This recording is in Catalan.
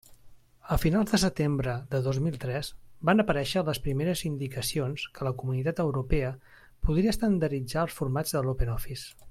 A finals de setembre del dos mil tres van aparèixer les primeres indicacions que la Comunitat Europea podria estandarditzar els formats de l'OpenOffice.